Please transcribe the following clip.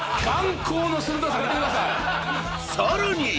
［さらに］